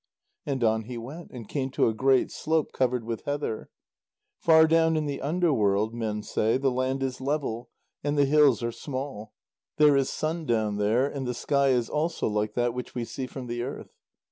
And on he went, and came to a great slope covered with heather. Far down in the underworld, men say, the land is level, and the hills are small; there is sun down there, and the sky is also like that which we see from the earth.